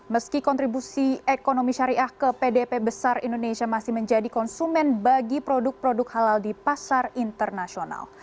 meski kontribusi ekonomi syariah ke pdp besar indonesia masih menjadi konsumen bagi produk produk halal di pasar internasional